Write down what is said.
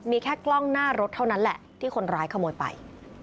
มีแค่กล้องหน้ารถเท่านั้นแหละที่คนร้ายขโมยไป